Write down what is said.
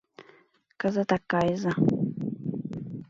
Кызытак кайыза.